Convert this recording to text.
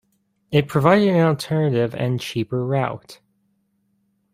It provided an alternative and cheaper route.